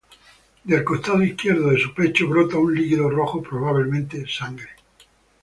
Del costado izquierdo de su pecho brota un líquido rojo, probablemente sangre.